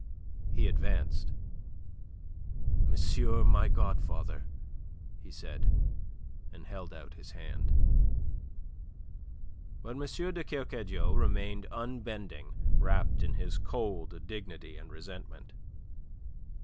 He advanced. "Monsieur my godfather!" he said, and held out his hand. But M. de Kercadiou remained unbending, wrapped in his cold dignity and resentment.